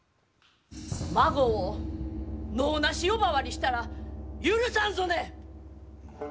孫を「能なし」呼ばわりしたら許さんぞね！